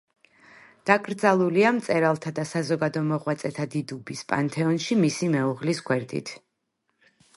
დაკრძალულია მწერალთა და საზოგადო მოღვაწეთა დიდუბის პანთეონში, მისი მეუღლის გვერდით.